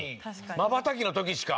まばたきの時しか。